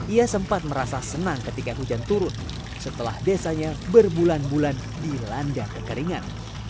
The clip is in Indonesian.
ia sempat merasa senang ketika hujan turun setelah desanya berbulan bulan dilanda kekeringan